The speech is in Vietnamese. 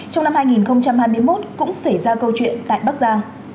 trong năm hai nghìn hai mươi một cũng xảy ra câu chuyện tại bắc giang